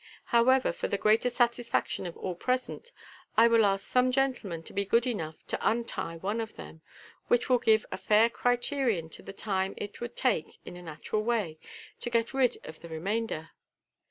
However, for the greater satisfaction of all present, I will ask some gentleman to be good enough to untie one of them, which will give a fair criterion of the time it would take, in a natural way, to get rid of the re mainder."